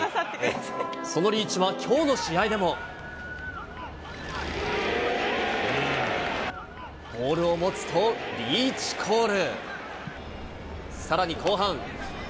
そのリーチはきょうの試合でも、ボールを持つとリーチコール。